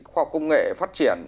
khoa học công nghệ phát triển